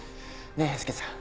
ねえ平助さん。